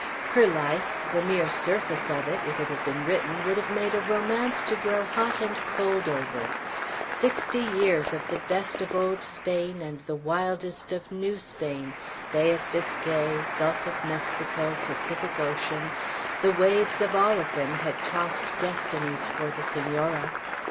Her life, the mere surface of it, if it had been written, would have made a romance, to grow hot and cold over: sixty years of the best of old Spain, and the wildest of New Spain, Bay of Biscay, Gulf of Mexico, Pacific Ocean, the waves of them all had tossed destinies for the Senora.